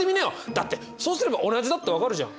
だってそうすれば同じだって分かるじゃん。